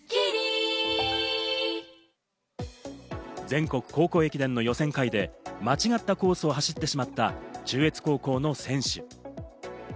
全国高校駅伝の予選会で間違ったコースを走ってしまった中越高校の選手。